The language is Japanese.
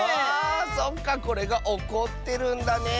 そっかこれがおこってるんだねえ。